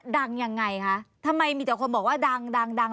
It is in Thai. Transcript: ดังยังไงคะทำไมมีแต่คนบอกว่าดังดังดัง